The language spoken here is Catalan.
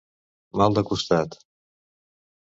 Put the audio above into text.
Mal de costat.